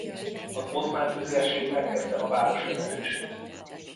Az oszmán tüzérség megkezdte a város lövetését.